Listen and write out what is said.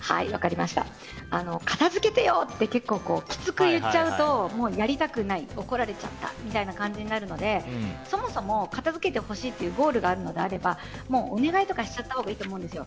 片付けてよ！ってきつく言っちゃうとやりたくない、怒られちゃったみたいな感じになるのでそもそも、片付けてほしいというゴールがあるのであればお願いとかしちゃったほうがいいと思うんですよ。